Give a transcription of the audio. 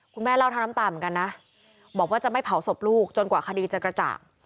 แม่เล่าทั้งน้ำตาเหมือนกันนะบอกว่าจะไม่เผาศพลูกจนกว่าคดีจะกระจ่าง